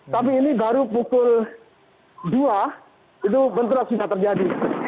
tapi ini baru pukul dua bentrok juga terjadi